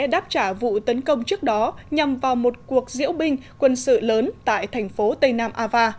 đáp trả vụ tấn công trước đó nhằm vào một cuộc diễu binh quân sự lớn tại thành phố tây nam ava